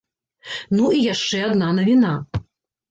Ну і яшчэ адна навіна.